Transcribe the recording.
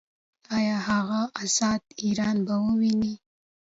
ایا هغه ازاد ایران به وویني؟